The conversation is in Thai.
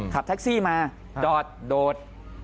ขับแท็กซี่มาโดด